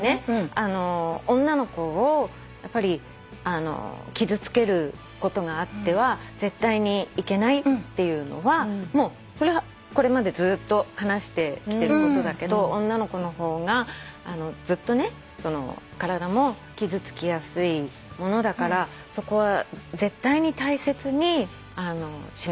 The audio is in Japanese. あのー女の子をやっぱり傷つけることがあっては絶対にいけないっていうのはそれはこれまでずっと話してきてることだけど女の子の方がずっとね体も傷つきやすいものだからそこは絶対に大切にしなくてはいけないよって。